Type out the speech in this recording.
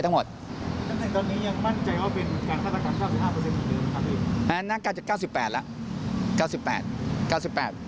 นั่นก็จะ๙๘ละ๙๘